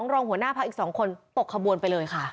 รองหัวหน้าพักอีก๒คนตกขบวนไปเลยค่ะ